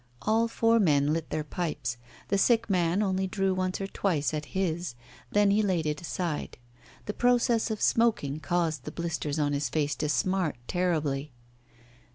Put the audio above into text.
All four men lit their pipes. The sick man only drew once or twice at his, then he laid it aside. The process of smoking caused the blisters on his face to smart terribly.